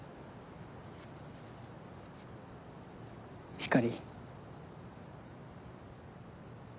ひかり。